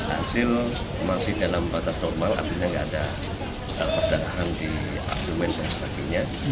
hasil masih dalam batas normal artinya tidak ada perdaan di abdomen baginya